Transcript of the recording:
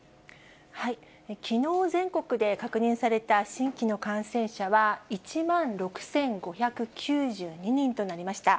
きのう、全国で確認された新規の感染者は、１万６５９２人となりました。